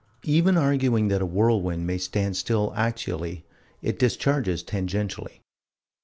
Even arguing that a whirlwind may stand still axially, it discharges tangentially.